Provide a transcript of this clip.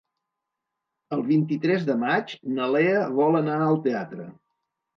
El vint-i-tres de maig na Lea vol anar al teatre.